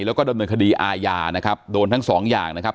แล้วก็ดำเนินคดีอาญานะครับโดนทั้งสองอย่างนะครับ